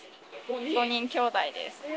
５人きょうだいです。